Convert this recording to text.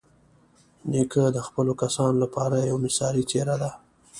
نیکه د خپلو کسانو لپاره یوه مثالي څېره ده.